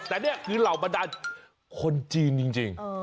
แต่นี่คือเหล่าบรรดาคนจีนจริง